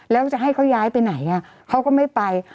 แล้วจะให้เขาย้ายไปไหนเขาก็ไม่ไป